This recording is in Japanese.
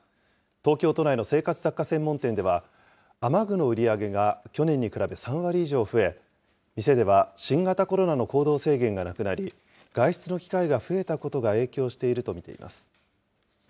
東京都内の生活雑貨専門店では、雨具の売り上げが去年に比べ３割以上増え、店では新型コロナの行動制限がなくなり、外出の機会が増えたことが影響していると見ています。